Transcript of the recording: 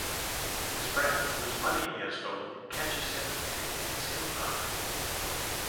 His friend whose money he has stolen catches him and beats him up.